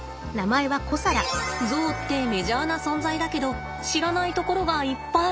ゾウってメジャーな存在だけど知らないところがいっぱい。